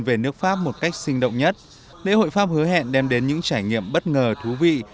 về nước pháp một cách sinh động nhất lễ hội pháp hứa hẹn đem đến những trải nghiệm bất ngờ thú vị